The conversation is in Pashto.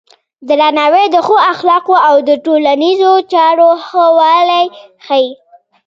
درناوی د ښو اخلاقو او د ټولنیزو چارو ښه والی ښيي.